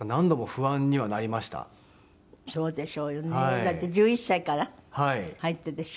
だって１１歳から入ってでしょ？